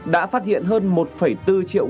đã phát hiện hơn một bốn triệu